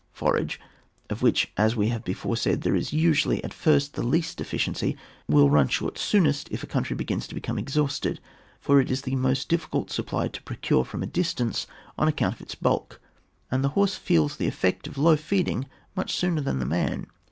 Forage, of which, as we have before said, there is usually at first the least deficiency, will run jshort soonest if a country begins to become exhausted, for it is the most difficult supply to procure frt)m a distance, on account of its bulk, and the horse feels the effect of low feeding much sooner than the man.